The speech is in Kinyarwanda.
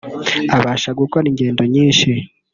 abasha gukora ingendo nyinshi